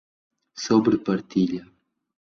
sobrepartilha